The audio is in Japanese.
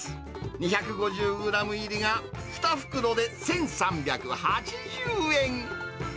２５０グラム入りが２袋で１３８０円。